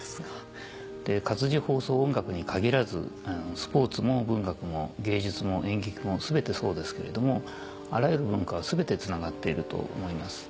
活字放送音楽に限らずスポーツも文学も芸術も演劇も全てそうですけれどもあらゆる文化は全てつながっていると思います。